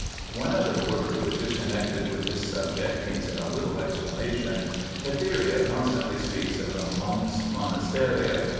One other word, which is connected with this sub ject, needs a little explanation. Etheria constantly speaks of the monks' monasteria.